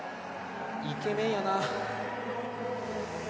イケメンやな。